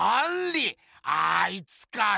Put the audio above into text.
あいつか！